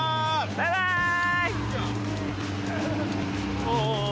・バイバーイ。